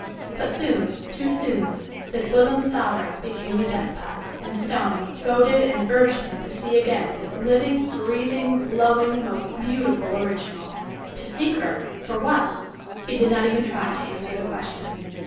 But soon, too soon, this bosom's sovereign became the despot, and stung, goaded and urged him to see again this living, breathing, glowing, most beautiful original. To seek her? For what? He did not even try to answer the question.